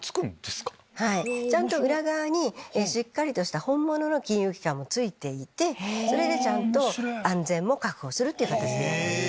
ちゃんと裏側にしっかりとした本物の金融機関もついていてそれで安全も確保するっていう形で。